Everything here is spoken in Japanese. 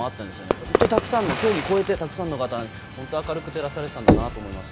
本当にたくさんの競技を超えてたくさんの方を本当に明るく照らされていたんだなと思います。